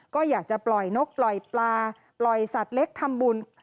ก็อยากจะปล่อยนกปล่อยปลาปล่อยสัตว์เล็กทำบุญ